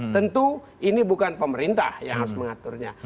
tentu ini bukan pemerintah yang harus mengaturnya